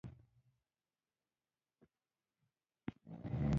د کرنې اصول عملي کول د حاصل لوړوالي سبب کېږي.